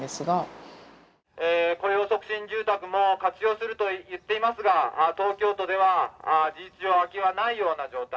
雇用促進住宅も活用すると言っていますが東京都では事実上空きはないような状態。